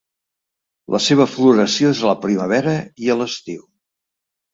La seva floració és a la primavera i a l'estiu.